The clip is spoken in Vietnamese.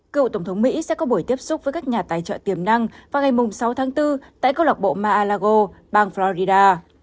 cựu tổng thống mỹ sẽ có buổi tiếp xúc với các nhà tài trợ tiềm năng vào ngày sáu tháng bốn tại câu lạc bộ maalago bang florida